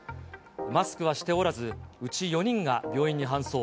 マスクはしておらず、うち４人が病院に搬送。